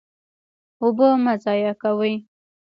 اوبه مه ضایع کوئ